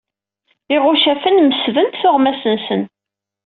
Iɣuccafen mesdent tuɣmas-nsen.